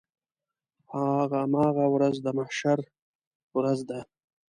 هماغه ورځ د محشر ورځ ده.